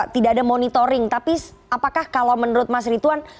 tidak ada monitoring tapi apakah kalau menurut mas rituan